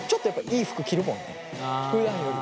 ふだんより。